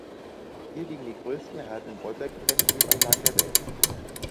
Hier liegen die größten erhaltenen Bollwerk-Befestigungsanlagen der Welt.